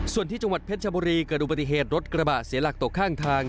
ส่วนที่จังหวัดเพชรชบุรีเกิดอุบัติเหตุรถกระบะเสียหลักตกข้างทาง